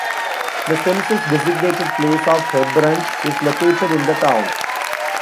The census-designated place of Hebron is located in the town.